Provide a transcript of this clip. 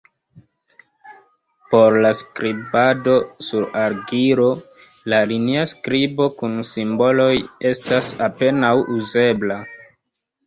Por la skribado sur argilo, la linia skribo kun simboloj estas apenaŭ uzebla.